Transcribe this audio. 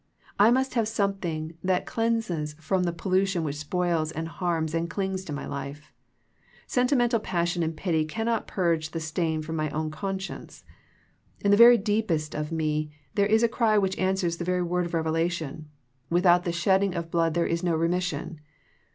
I must have something that cleanses from the pollution which spoils and harms and clings to my life. Sentimental passion and pity cannot purge the stain from my own conscience. In the very deep est of me there is a cry which answers the very word of revelation, " Without the shedding of blood there is no remission."